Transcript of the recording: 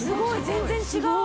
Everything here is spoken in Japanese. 全然違う！